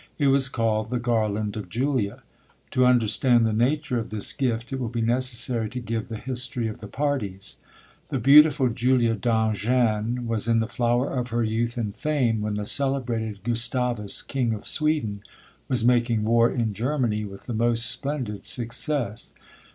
It was called the garland of Julia. To understand the nature of this gift, it will be necessary to give the history of the parties. The beautiful Julia d'Angennes was in the flower of her youth and fame, when the celebrated Gustavus, king of Sweden, was making war in Germany with the most splendid success.